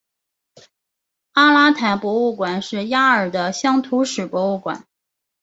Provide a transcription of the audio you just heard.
阿拉坦博物馆是亚尔的乡土史博物馆。